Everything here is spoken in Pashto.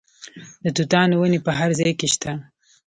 د توتانو ونې په هر ځای کې شته.